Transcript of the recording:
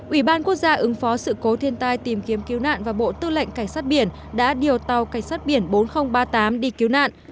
ủy ban quốc gia ứng phó sự cố thiên tai tìm kiếm cứu nạn và bộ tư lệnh cảnh sát biển đã điều tàu cảnh sát biển bốn nghìn ba mươi tám đi cứu nạn